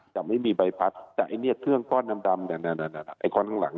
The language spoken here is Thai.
จะไม่มีใบพัดแต่ไอ้เนี่ยเครื่องก้อนดำไอ้ก้อนข้างหลัง